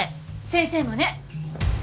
先生もね。